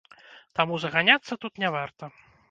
Таму заганяцца тут не варта.